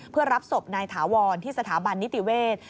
เพื่อรับศพนายถาวรที่สถาบันนิติเวศ